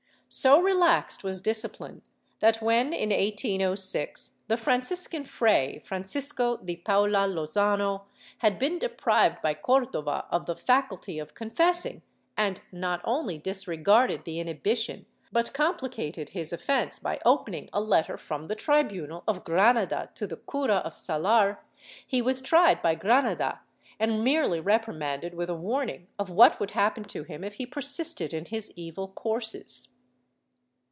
^ So relaxed was discipline that when, in 1806, the Franciscan Fray Francisco de Paula Lozano had been deprived by Cordova of the faculty of confessing, and not only disregarded the inhibition but compHcated his offence by opening a letter from the tribunal of Granada to the cura of Salar, he was tried by Granada and merely reprimanded with a warning of what would happen to him if he persisted in his evil courses.